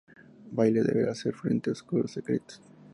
Bailey deberá hacer frente a oscuros secretos.